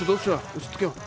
落ち着けよ。